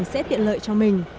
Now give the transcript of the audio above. sẽ tiện lợi cho mình